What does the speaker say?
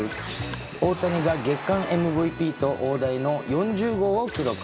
大谷が月間ＭＶＰと大台の４０号を記録。